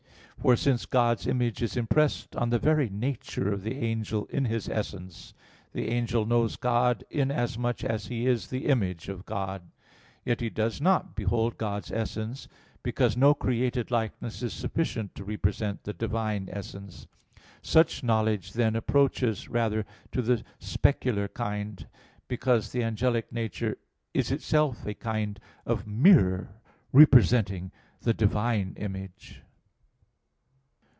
For since God's image is impressed on the very nature of the angel in his essence, the angel knows God in as much as he is the image of God. Yet he does not behold God's essence; because no created likeness is sufficient to represent the Divine essence. Such knowledge then approaches rather to the specular kind; because the angelic nature is itself a kind of mirror representing the Divine image.